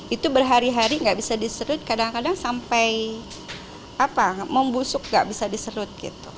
itu berhari hari nggak bisa diserut kadang kadang sampai membusuk gak bisa diserut